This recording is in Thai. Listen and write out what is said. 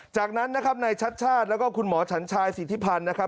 จากนั้นนะครับในชัดชาติแล้วก็คุณหมอฉันชายสิทธิพันธ์นะครับ